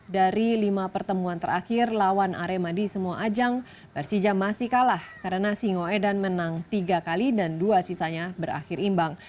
dari lima pertemuan terakhir lawan arema di semua ajang persija masih kalah karena singoedan menang tiga kali dan dua sisanya berakhir imbang